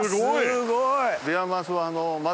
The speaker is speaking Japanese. すごい！